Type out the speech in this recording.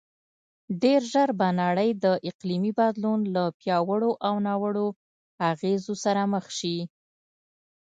ډېرژر به نړی د اقلیمې بدلون له پیاوړو او ناوړو اغیزو سره مخ شې